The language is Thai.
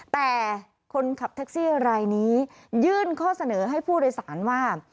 แต่คนขับแท็กซี่รายนี้ยื่นข้อเสนอให้ผู้โดยสารว่า